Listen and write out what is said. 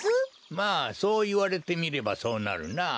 まあそういわれてみればそうなるなあ。